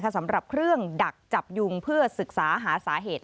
สำหรับเครื่องดักจับยุงเพื่อศึกษาหาสาเหตุ